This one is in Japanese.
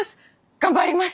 頑張ります！